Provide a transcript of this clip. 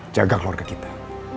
jaga keluarga kita